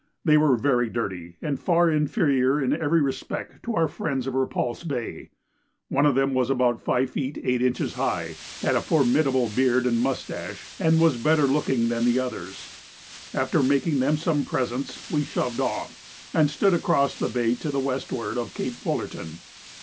They were very dirty, and far inferior in every respect to our friends of Repulse Bay. One of them was about five feet eight inches high, had a formidable beard and moustache, and was better looking than the others. After making them some presents we shoved off, and stood across the bay to the westward of Cape Fullerton.